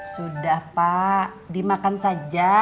sudah pak dimakan saja